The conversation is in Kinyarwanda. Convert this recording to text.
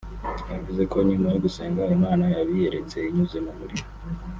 yavuze ko nyuma yo gusenga Imana yabiyeretse inyuze mu muriro